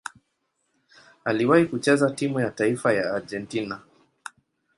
Aliwahi kucheza timu ya taifa ya Argentina.